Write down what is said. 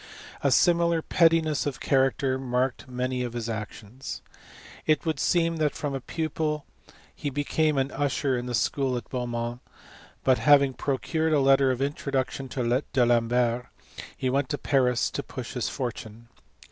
A similar pettiness of character marked many of his actions. It would seem that from a pupil he became an usher in the school at Beaumont ; but, having procured a letter of introduction to D Alembert, he went to Paris to push his fortune.